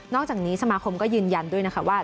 อกจากนี้สมาคมก็ยืนยันด้วยนะคะว่า